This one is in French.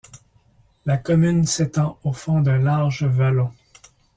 La commune s'étend au fond d'un large vallon.